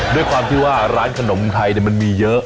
ด้วยความที่ว่าร้านขนมไทยมันมีเยอะ